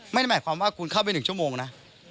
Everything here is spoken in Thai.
ไม่ได้หมายความว่าคุณเข้าไป๑ชั่วโมงนะ